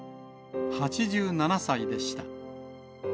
８７歳でした。